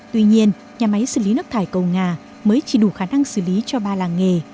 tuy nhiên nhà máy xử lý nước thải cầu nga mới chỉ đủ khả năng xử lý cho ba làng nghề